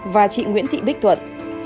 và chị nguyễn thị bích thuận